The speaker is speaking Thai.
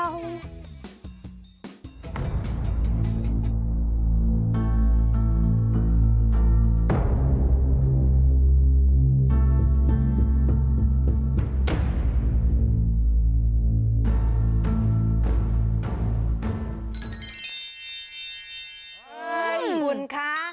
เฮ้ยบุญค่ะ